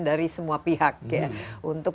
dari semua pihak untuk